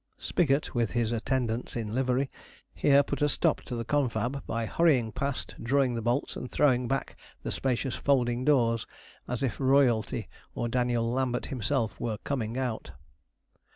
Spigot, with his attendants in livery, here put a stop to the confab by hurrying past, drawing the bolts, and throwing back the spacious folding doors, as if royalty or Daniel Lambert himself were 'coming out.'